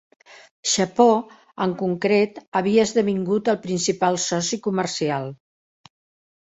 Japó en concret havia esdevingut el principal soci comercial.